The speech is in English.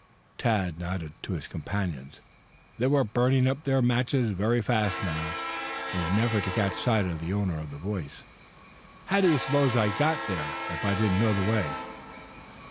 Tad nodded to his companions. They were burning up their matches very fast now in an effort to catch sight of the owner of the voice. "How did you suppose I got there if I didn't know the way?"